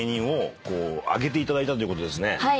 はい。